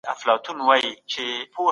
قصاص د بې وزلو د حق ساتنه کوي.